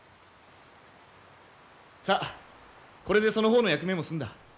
さあこれでその方の役目も済んだ。